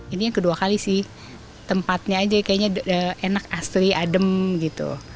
ini yang kedua kali sih tempatnya aja kayaknya enak asli adem gitu